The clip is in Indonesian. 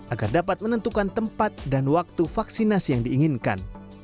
agar dapat menentukan tempat dan waktu vaksinasi yang diinginkan